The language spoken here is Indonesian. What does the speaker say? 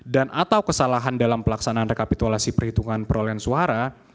dan atau kesalahan dalam pelaksanaan rekapitulasi perhitungan perolehan suara